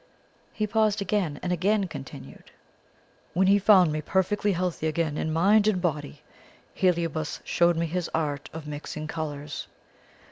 He paused again, and again continued: "When he found me perfectly healthy again in mind and body, Heliobas showed me his art of mixing colours.